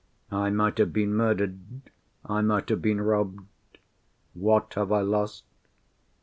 I might have been murdered; I might have been robbed. What have I lost?